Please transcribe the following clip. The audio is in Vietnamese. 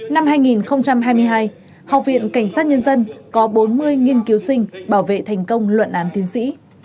năm hai nghìn hai mươi hai học viện cảnh sát nhân dân có bốn mươi nghiên cứu sinh bảo vệ thành công luận án tiến sĩ